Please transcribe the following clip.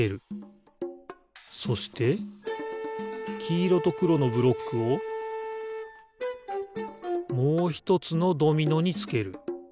そしてきいろとくろのブロックをもうひとつのドミノにつける。